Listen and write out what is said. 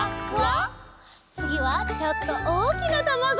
つぎはちょっとおおきなたまご！